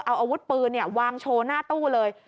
เอาอาวุธปืนวางโชว์หน้าตู้เลย